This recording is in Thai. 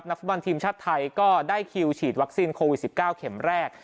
ฟุตบอลทีมชาติไทยก็ได้คิวฉีดวัคซีนโควิด๑๙เข็มแรก